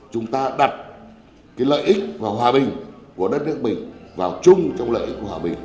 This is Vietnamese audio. chúng ta đặt lợi ích và hòa bình của đất nước mình vào chung trong lợi ích của hòa bình